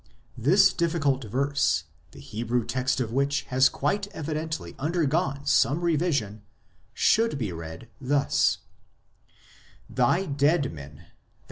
This difficult verse, the Hebrew text of which has quite evidently undergone some revision, should be read thus :" Thy dead men [i.